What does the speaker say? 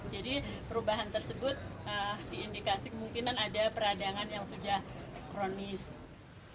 jadi perubahan tersebut diindikasi kemungkinan ada peradangan yang sudah kronis